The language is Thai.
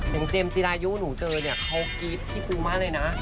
เจมส์จีรายุหนูเจอเนี่ยเขากรี๊ดพี่ปูมากเลยนะ